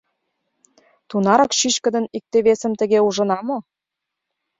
Тунарак чӱчкыдын икте-весым тыге ужына мо?